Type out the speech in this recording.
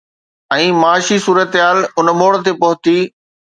۽ معاشي صورتحال ان موڙ تي پهتي